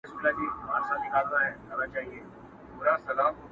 نه په زړه رازونه پخواني لري٫